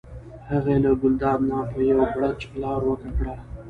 هغې له ګلداد نه په یو بړچ لاره ورکه کړه.